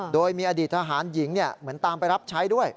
โดยมีอดีตทหารหญิงเหมือนตามไปรับใช้ด้วย